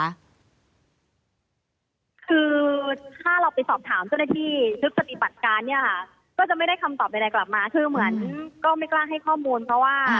คือถ้าเราไปสอบถามเจ้าหน้าที่ชุดปฏิบัติการเนี่ยค่ะก็จะไม่ได้คำตอบใดกลับมาคือเหมือนก็ไม่กล้าให้ข้อมูลเพราะว่า